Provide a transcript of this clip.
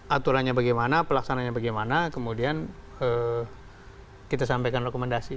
aturannya bagaimana pelaksananya bagaimana kemudian kita sampaikan rekomendasi